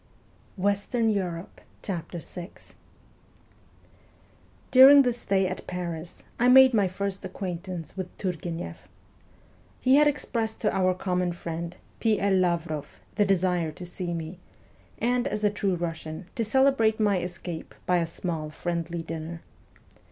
216 MEMOIRS OF A REVOLUTIONIST VI DURING this stay at Paris I made my first acquaint ance with Turgueneff. He had expressed to our common friend, P. L. Lavroff, the desire to see me, and, as a true Russian, to celebrate my escape by a small friendly dinner.